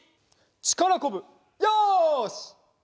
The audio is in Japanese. ちからこぶよし！